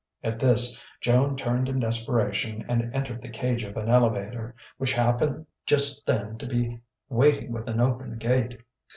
At this Joan turned in desperation and entered the cage of an elevator, which happened just then to be waiting with an open gate.